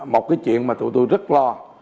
một cái chuyện mà tụi tui rất lo